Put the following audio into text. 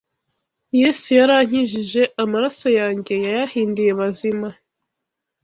Yesu yarankijije, amaraso yanjye yayahinduye mazima